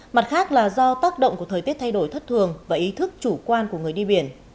mặt khác là do tác động của thời tiết thay đổi thất thường và ý thức chủ quan của người đi biển